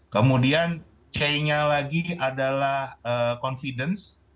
kemudian c nya lagi adalah confidence